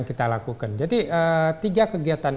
kita lakukan jadi tiga kegiatan